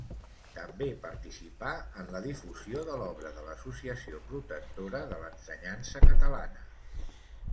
També participà en la difusió de l'obra de l'Associació Protectora de l'Ensenyança Catalana.